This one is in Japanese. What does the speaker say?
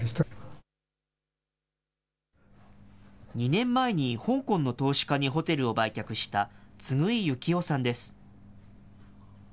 ２年前に香港の投資家にホテルを売却した次井雪雄さんです。